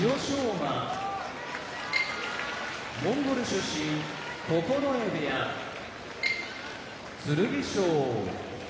馬モンゴル出身九重部屋剣翔